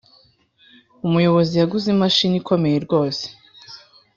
umuyobozi yaguze imashini ikomeye rwose.